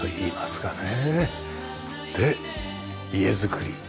で家づくり。